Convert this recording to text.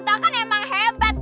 ntar kan emang hebat